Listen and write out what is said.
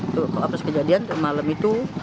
tuh apa sekejadian malam itu